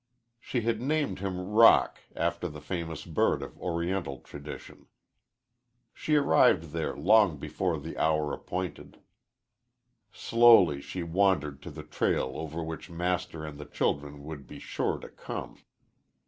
She had named him Roc, after the famous bird of Oriental tradition. She arrived there long before the hour appointed. Slowly she wandered to the trail over which Master and the children would be sure to come.